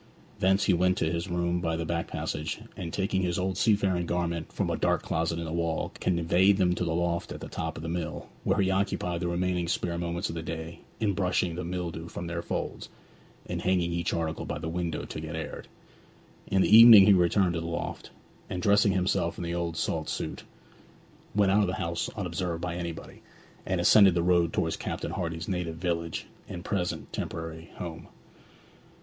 Thence he went to his room by the back passage, and taking his old seafaring garments from a dark closet in the wall conveyed them to the loft at the top of the mill, where he occupied the remaining spare moments of the day in brushing the mildew from their folds, and hanging each article by the window to get aired. In the evening he returned to the loft, and dressing himself in the old salt suit, went out of the house unobserved by anybody, and ascended the road towards Captain Hardy's native village and present temporary home.